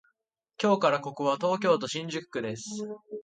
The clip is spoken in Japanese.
今日はここは東京都新宿区です